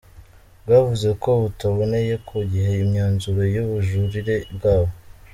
Bwavuze ko butaboneye ku gihe imyanzuro y’ubujurire bwabo.